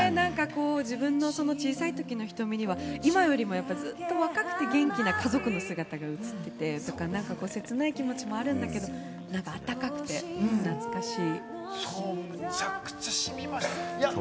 自分の小さいときの瞳には、今よりもやっぱりずっと若くて元気な家族の姿が映っていて、切ない気持ちもあるんだけれども、あたたかくて、懐かしい。